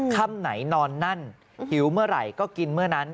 ค่ำไหนนอนนั่นหิวเมื่อไหร่ก็กินเมื่อนั้น